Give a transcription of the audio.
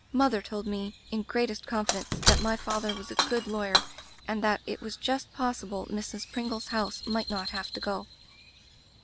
Mother told me, in greatest confidence, that my father was a good law yer, and that it was just possible Mrs. Prin gle*s house might not have to go.